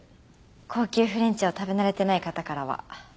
高級フレンチを食べ慣れてない方からは。